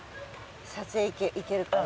撮影いけるかね。